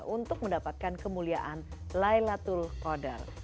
untuk mendapatkan kemuliaan laylatul qadar